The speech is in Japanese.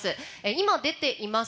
今、出ています